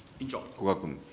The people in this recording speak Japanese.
古賀君。